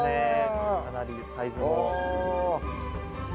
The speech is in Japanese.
かなりサイズも。